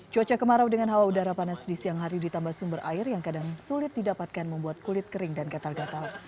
cuaca kemarau dengan hawa udara panas di siang hari ditambah sumber air yang kadang sulit didapatkan membuat kulit kering dan gatal gatal